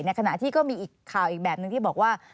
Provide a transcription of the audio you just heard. ขณะที่ก็มีอีกข่าวอีกแบบนึงที่บอกว่า